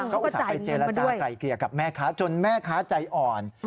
ก็อุตส่าห์ไปเจรจากลายเกลี่ยกับแม่ค้าจนแม่ค้าใจอ่อน